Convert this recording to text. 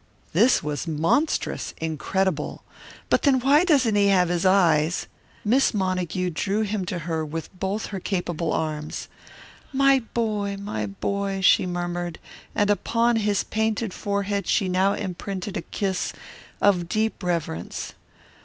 This was monstrous, incredible. "But then why doesn't he have his eyes " Miss Montague drew him to her with both her capable arms. "My boy, my boy!" she murmured, and upon his painted forehead she now imprinted a kiss of deep reverence.